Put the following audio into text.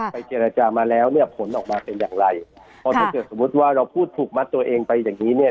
เจรจามาแล้วเนี่ยผลออกมาเป็นอย่างไรเพราะถ้าเกิดสมมุติว่าเราพูดถูกมัดตัวเองไปอย่างงี้เนี่ย